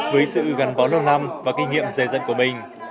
với sự gắn bó lâu năm và kinh nghiệm dài dân của mình